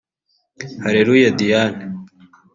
Halleluya Diane